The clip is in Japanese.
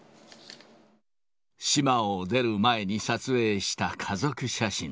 島を出る前に撮影した家族写真。